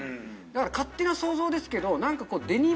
だから勝手な想像ですけど何か。